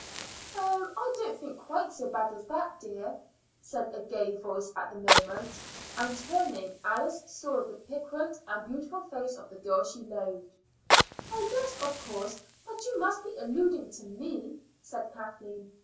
"Oh, I don't think quite so bad as that, dear," said a gay voice at that moment; and turning, Alice saw the piquant and beautiful face of the girl she loathed. "I guessed, of course, that you must be alluding to me," said Kathleen.